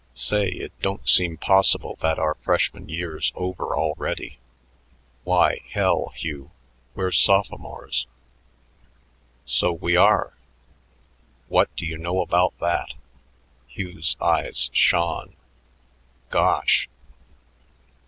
Say, it don't seem possible that our freshman year's over already. Why, hell, Hugh, we're sophomores." "So we are! What do you know about that?" Hugh's eyes shone. "Gosh!"